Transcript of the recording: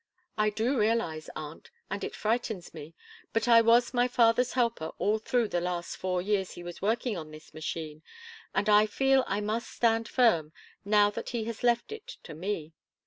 "I do realize, aunt, and it frightens me, but I was my father's helper all through the last four years he was working on this machine, and I feel I must stand firm, now that he has left it to me.